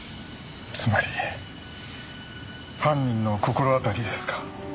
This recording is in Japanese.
つまり犯人の心当たりですか？